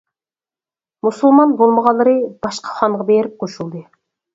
مۇسۇلمان بولمىغانلىرى، باشقا خانغا بېرىپ قوشۇلدى.